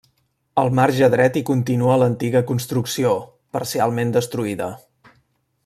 Al marge dret hi continua l'antiga construcció, parcialment destruïda.